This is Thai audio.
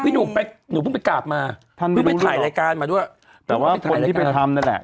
พี่หนูไปหนูพึ่งไปกลับมาท่านไม่ไปถ่ายรายการมาด้วยแต่ว่าคนที่ไปทำนั่นแหละ